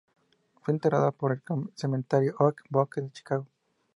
Fue enterrada en el Cementerio Oak Woods de Chicago.